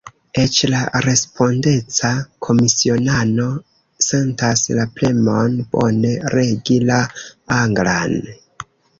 Eĉ la respondeca komisionano sentas la premon bone regi la anglan.